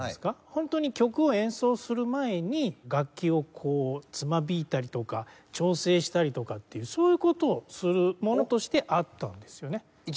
ホントに曲を演奏する前に楽器をこうつま弾いたりとか調整したりとかっていうそういう事をするものとしてあったんですよね。